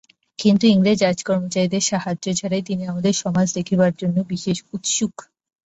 কিন্তু ইংরেজ রাজকর্মচারীদের সাহায্য ছাড়াই আমাদের সমাজ দেখিবার জন্য তিনি বিশেষ উৎসুক।